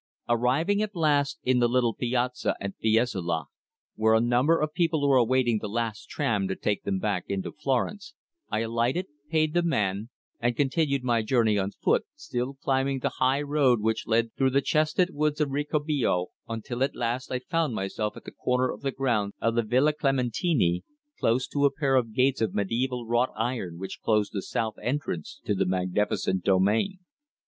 Arriving at last in the little piazza, at Fiesole, where a number of people were awaiting the last tram to take them back into Florence, I alighted, paid the man, and continued my journey on foot, still climbing the high road which led through the chestnut woods of Ricorbico, until at last I found myself at the corner of the grounds of the Villa Clementini, close to a pair of gates of mediæval wrought iron which closed the south entrance to the magnificent domain.